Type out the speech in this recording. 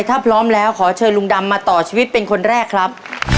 ถ้าพร้อมแล้วขอเชิญลุงดำมาต่อชีวิตเป็นคนแรกครับ